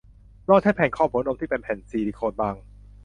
ลองใช้แผ่นครอบหัวนมที่เป็นแผ่นซิลิโคนบาง